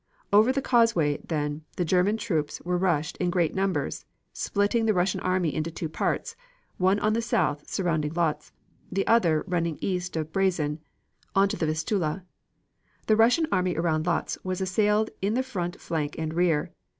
Over the causeway, then, the German troops were rushed in great numbers, splitting the Russian army into two parts; one on the south surrounding Lodz, and the other running east of Brezin on to the Vistula. The Russian army around Lodz was assailed on the front flank and rear.